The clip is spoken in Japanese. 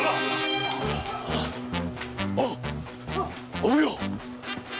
お奉行っ！